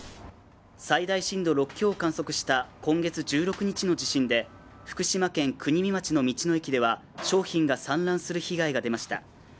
最大震度６強を観測した今月１６日の地震で福島県国見町の道の駅では商品が散乱する被害が出ました